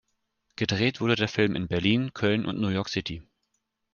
Gedreht wurde der Film in Berlin, Köln und New York City.